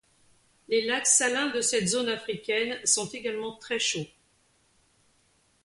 Les lacs salins de cette zone africaine sont également très chauds.